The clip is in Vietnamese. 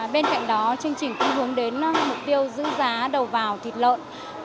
bên cạnh đó chương trình cũng hướng đến mục tiêu giữ giá đầu vào thịt lợn